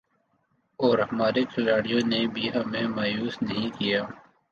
اور ہمارے کھلاڑیوں نے بھی ہمیں مایوس نہیں کیا